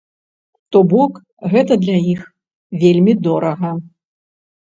То бок гэта для іх вельмі дорага.